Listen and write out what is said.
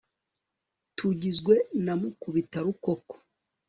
tugizwe na mukubita rukoko